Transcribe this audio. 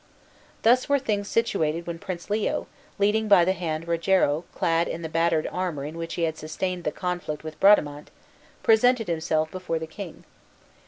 Thus were things situated when Prince Leo, leading by the hand Rogero, clad in the battered armor in which he had sustained the conflict with Bradamante, presented himself before the king.